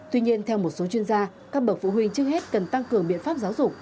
tuy nhiên theo một số chuyên gia các bậc phụ huynh trước hết cần tăng cường biện pháp giáo dục